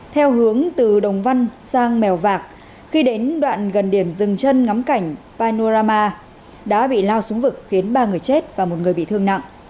theo hướng từ đồng văn sang mèo vạc khi đến đoạn gần điểm rừng chân ngắm cảnh panorama đã bị lao xuống vực khiến ba người chết và một người bị thương nặng